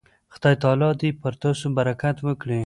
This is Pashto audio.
خدای تعالی دې پر تاسو برکت وکړي.